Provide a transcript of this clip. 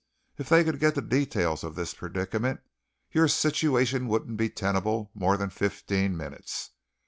If they could get the details of this predicament, your situation wouldn't be tenable more than fifteen minutes.